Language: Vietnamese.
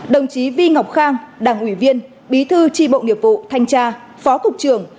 đồng chí vi ngọc khang đảng ủy viên bí thư tri bộ nghiệp vụ thanh tra phó cục trưởng